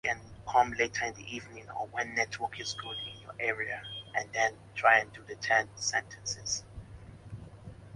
Ndị Enugwu-Ukwu Emeela Ngosipụta Ihe A Kọrọ n'Ugbo, Nye Ihe Nrita